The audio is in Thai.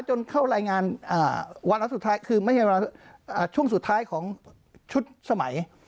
จนเข้ารายงานวันอาจสุดท้ายช่วงสุดท้ายของชุดสมัย